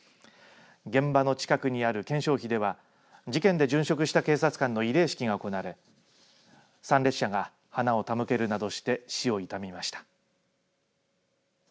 現場の近くにある顕彰碑では事件で殉職した警察官の慰霊式が行われ参列者が花を手向けるなどして死を悼みました。